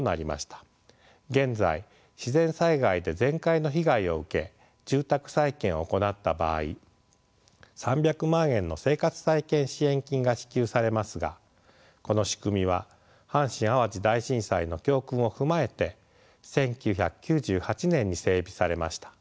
現在自然災害で全壊の被害を受け住宅再建を行った場合３００万円の生活再建支援金が支給されますがこの仕組みは阪神・淡路大震災の教訓を踏まえて１９９８年に整備されました。